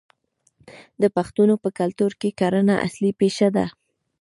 د پښتنو په کلتور کې کرنه اصلي پیشه ده.